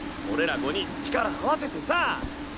俺ら５人力合わせてさぁ！